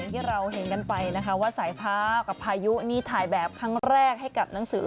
ที่เราเห็นกันไปนะคะว่าสายฟ้ากับพายุนี่ถ่ายแบบครั้งแรกให้กับหนังสือ